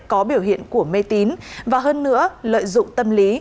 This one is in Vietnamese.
có biểu hiện của mê tín và hơn nữa lợi dụng tâm lý